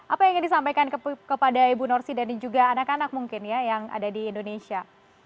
apa yang ingin disampaikan kepada ibu norsi dan juga anak anak mungkin ya yang ada di indonesia